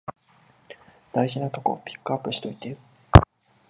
大事なとこピックアップしといて